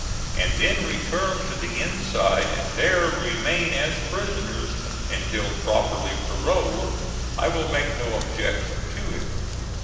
and then return to the inside and there remain as prisoners until properly paroled, I will make no objection to it.